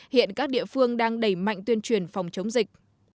hiện các địa phương đang đẩy mạnh tuyên truyền phòng chống dịch